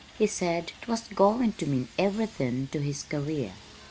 He said 'twas goin' to mean everythin' to his career.